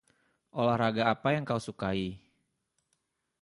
Olahraga apa yang kau sukai?